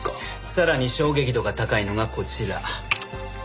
さらに衝撃度が高いのがこちら。